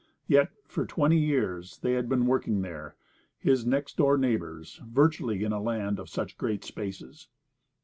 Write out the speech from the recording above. Yet for twenty years they had been working there, his next door neighbours, virtually, in a land of such great spaces.